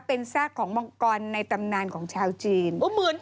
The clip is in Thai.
เป็นซากของมังกรในตำนานของชาวจีน